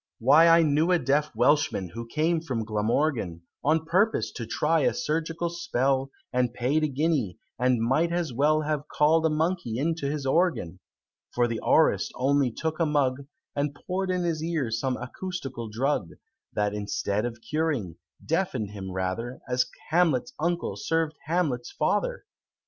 Why I knew a deaf Welshman, who came from Glamorgan On purpose to try a surgical spell, And paid a guinea, and might as well Have call'd a monkey into his organ! For the Aurist only took a mug, And pour'd in his ear some acoustical drug, That, instead of curing, deafen'd him rather, As Hamlet's uncle served Hamlet's father!